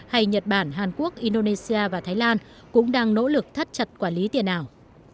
hay nhật bản hàn quốc indonesia và thái lan cũng đang nỗ lực thắt chặt quản lý tiền ảo